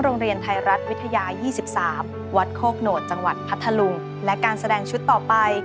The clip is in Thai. โรงเรียนไทยรัฐวิทยา๒๓วัดโคกโหนดจังหวัดพัทธลุงและการแสดงชุดต่อไป